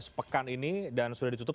sepekan ini dan sudah ditutup